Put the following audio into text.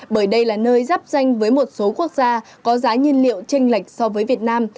bởi đây là nơi giáp danh với một số quốc gia có giá nhiên liệu tranh lệch so với việt nam